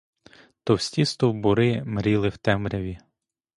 Товсті стовбури мріли в темряві.